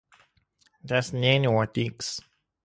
Tas nenotiks.